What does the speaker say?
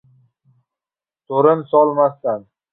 To‘rin solmasdan, —